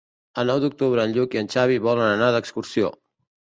El nou d'octubre en Lluc i en Xavi volen anar d'excursió.